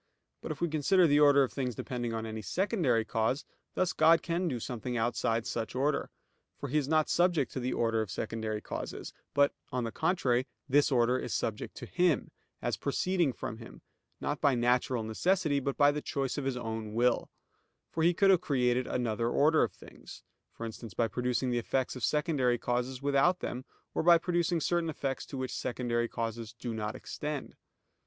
But if we consider the order of things depending on any secondary cause, thus God can do something outside such order; for He is not subject to the order of secondary causes; but, on the contrary, this order is subject to Him, as proceeding from Him, not by a natural necessity, but by the choice of His own will; for He could have created another order of things. Wherefore God can do something outside this order created by Him, when He chooses, for instance by producing the effects of secondary causes without them, or by producing certain effects to which secondary causes do not extend.